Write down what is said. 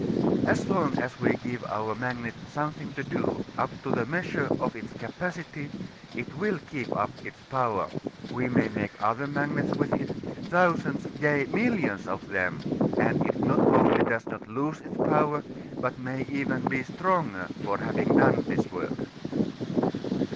As long as we give our magnet something to do, up to the measure of its capacity, it will keep up its power. We may make other magnets with it, thousands, yea, millions of them, and it not only does not lose its power but may be even stronger for having done this work.